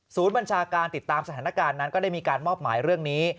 บัญชาการติดตามสถานการณ์นั้นก็ได้มีการมอบหมายเรื่องนี้